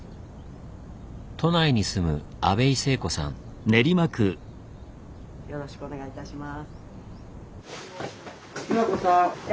都内に住むよろしくお願いいたします。